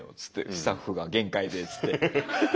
「スタッフが限界で」っつって。